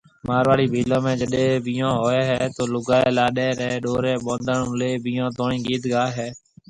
مارواڙي ڀيلون ۾ جڏي بيھونهوئي هي تو لُگائي لاڏي ري ڏوري ٻانڌڻ لي بيھونتوڻي گيت گاوي هي